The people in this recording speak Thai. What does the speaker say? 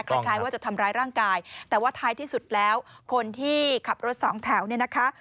คล้ายว่าจะทำร้ายร่างกายแต่ว่าท้ายที่สุดแล้วคนที่ขับรถสองแถวเนี่ยนะคะ